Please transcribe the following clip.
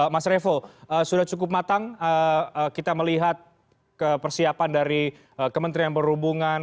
mas revo sudah cukup matang kita melihat persiapan dari kementerian perhubungan